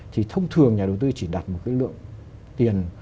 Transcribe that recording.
thì thông thường nhà đầu tư chỉ đặt một cái lượng tiền